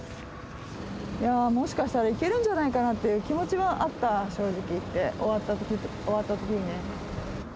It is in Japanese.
もしかしたら行けるんじゃないかなっていう気持ちはあった、正直言って、終わったときにね。